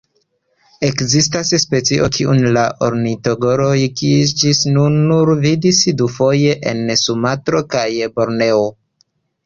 Ekzistas specio, kiun la ornitologoj ĝis nun nur vidis dufoje en Sumatro kaj Borneo.